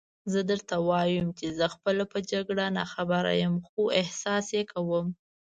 زه درته وایم چې زه خپله په جګړه ناخبره یم، خو احساس یې کوم.